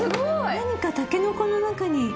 なにかタケノコの中に。